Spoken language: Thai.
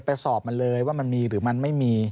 ไปสอบมันเลยว่ามันมีหรือมันไม่มี